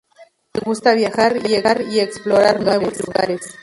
Le gusta viajar y explorar nuevos lugares.